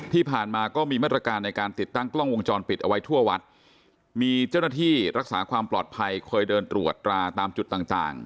ที่ผ่านมาก็มีมาตรการในการติดตั้งกล้องวงจรปิดเอาไว้ทั่ววัดมีเจ้าหน้าที่รักษาความปลอดภัยเคยเดินตรวจตราตามจุดต่างต่าง